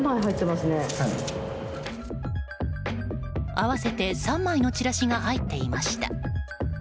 合わせて３枚のチラシが入っていました。